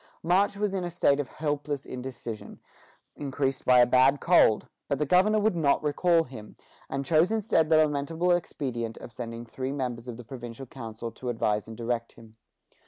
March was in a state of helpless indecision, increased by a bad cold; but the governor would not recall him, and chose instead the lamentable expedient of sending three members of the provincial council to advise and direct him.